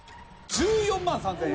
１４万３０００円！